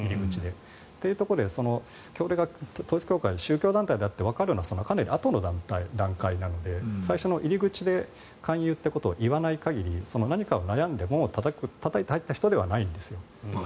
そういうところで統一教会が宗教団体とわかるのはかなりあとの段階なので最初の入り口で勧誘ということを言わない限り何かを悩んで門をたたいて入った人ではないんです。